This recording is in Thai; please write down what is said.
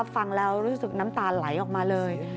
ฟังแล้วรู้สึกน้ำตาไหลออกมาเลย